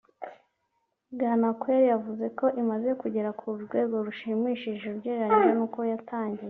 Bwanakweli yavuze ko imaze kugera ku rwego rushimishije ugereranyije n’uko yatangiye